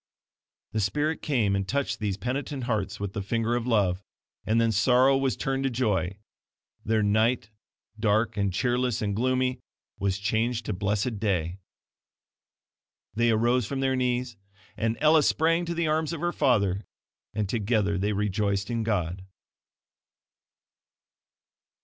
The Spirit came and touched these penitent hearts with the finger of love; and then sorrow was turned to joy their night, dark and cheerless and gloomy, was changed to blessed day. They arose from their knees, and Ella sprang to the arms of her father, and together they rejoiced in God.